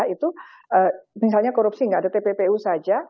itu misalnya korupsi nggak ada tppu saja